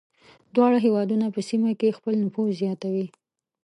دواړه هېوادونه په سیمه کې خپل نفوذ زیاتوي.